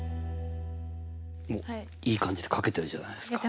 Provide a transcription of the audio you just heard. おっいい感じでかけてるじゃないですか。